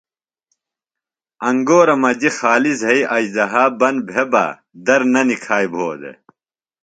انگُورہ مجیۡ خالیۡ زھئیۡ اژدھا بند بھےۡ بہ در تھےۡ نہ نِکھائیۡ بُھو دےۡ